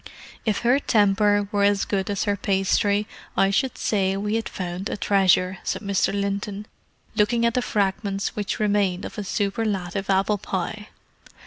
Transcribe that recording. "If her temper were as good as her pastry, I should say we had found a treasure," said Mr. Linton, looking at the fragments which remained of a superlative apple pie.